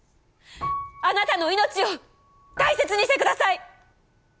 あなたの命を大切にしてください！